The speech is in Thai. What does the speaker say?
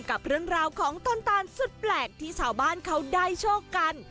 กับเรื่องราวของต้นตาลสุดแปลกที่ชาวบ้านเขาได้โชคกัน